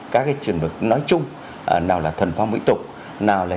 các chuyện được nói chung nào là thuần phong mỹ tục nào là